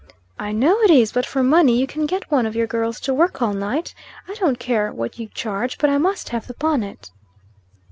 "I know it is; but for money you can get one of your girls to work all night. I don't care what you charge; but I must have the bonnet."